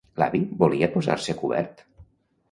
L'avi volia posar-se a cobert?